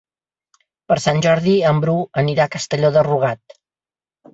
Per Sant Jordi en Bru anirà a Castelló de Rugat.